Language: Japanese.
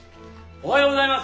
おはようございます。